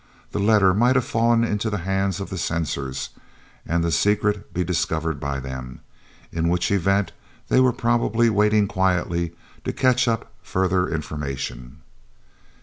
The letter might have fallen into the hands of the censors and the secret be discovered by them, in which event they were probably waiting quietly to catch up further information.